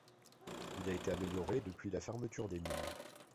Il a été amélioré depuis la fermeture des mines.